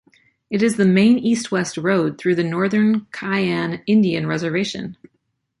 It is the main east-west road through the Northern Cheyenne Indian Reservation.